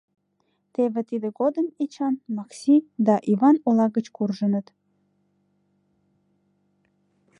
Теве тидын годым Эчан, Макси да Иван ола гыч куржыныт.